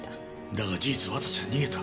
だが事実綿瀬は逃げた。